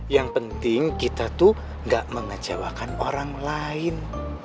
yang penting kita tuh gak mengecewakan orang lain